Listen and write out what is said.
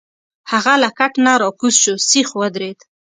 هغه له کټ نه راکوز شو، سیخ ودرید.